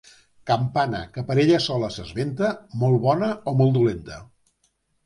Campana que per ella sola s'esventa, molt bona o molt dolenta.